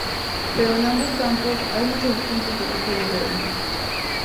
Pero en ambos campos, hay muchos puntos de vista diferentes.